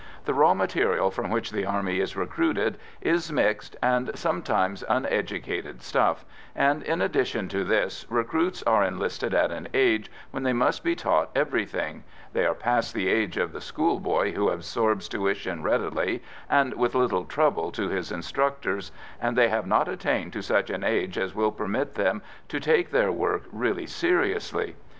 The raw material from which the Army is recruited is mixed and sometimes uneducated stuff, and, in addition to this, recruits are enlisted at an age when they must be taught everything they are past the age of the schoolboy who absorbs tuition readily and with little trouble to his instructors, and they have not attained to such an age as will permit them to take their work really seriously.